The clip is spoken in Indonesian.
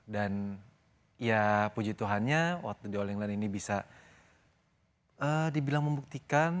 dan ya puji tuhannya waktu di all in one ini bisa dibilang membuktikan